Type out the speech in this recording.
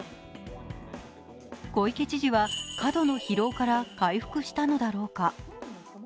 小池知事は過度の疲労から回復したのだろうか。